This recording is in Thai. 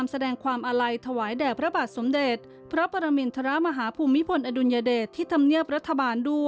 สวัสดีครับ